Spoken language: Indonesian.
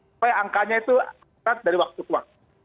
supaya angkanya itu dari waktu ke waktu